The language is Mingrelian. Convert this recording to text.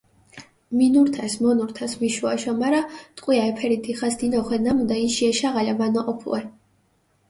მინურთეს, მონურთეს ვიშო-აშო, მარა ტყვია ეფერი დიხას დინოხვე ნამუდა, იში ეშაღალა ვანოჸოფუე.